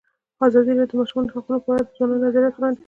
ازادي راډیو د د ماشومانو حقونه په اړه د ځوانانو نظریات وړاندې کړي.